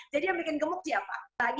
jadi yang bikin gemuk siapa